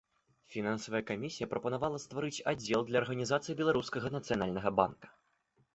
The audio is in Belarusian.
Фінансавая камісія прапанавала стварыць аддзел для арганізацыі беларускага нацыянальнага банка.